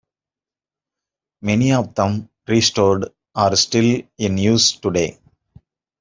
Many of them, restored, are still in use today.